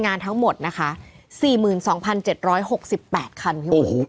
งานทั้งหมดนะคะสี่หมื่นสองพันเจ็ดร้อยหกสิบแปดคันโอ้โห